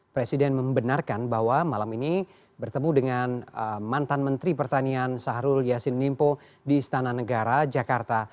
presiden membenarkan bahwa malam ini bertemu dengan mantan menteri pertanian sahrul yassin limpo di istana negara jakarta